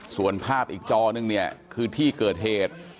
ส่วนภาพอีกจอนึงเนี่ยคือที่เกิดเหตุ